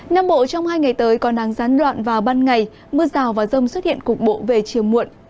nam bộ trong hai ngày tới có nắng gián đoạn vào ban ngày mưa rào và rông xuất hiện cục bộ về chiều muộn